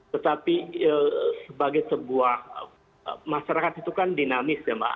tetapi sebagai sebuah masyarakat itu kan dinamis ya mbak